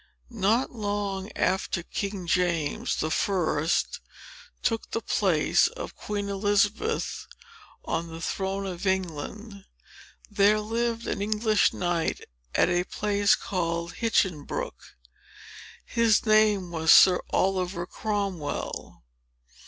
Not long after King James the First took the place of Queen Elizabeth on the throne of England, there lived an English knight at a place called Hinchinbrooke. His name was Sir Oliver Cromwell.